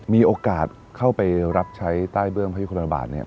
มีโอกาสเข้าไปรับใช้ใต้เบื้องพระยุคลบาทเนี่ย